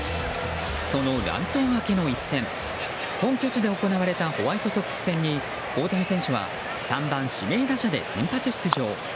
その乱闘明けの一戦本拠地で行われたホワイトソックス戦に大谷選手は３番指名打者で先発出場。